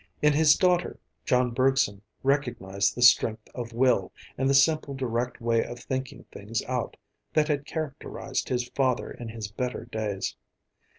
In his daughter, John Bergson recognized the strength of will, and the simple direct way of thinking things out, that had characterized his father in his better days.